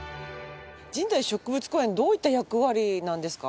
神代植物公園はどういった役割なんですか？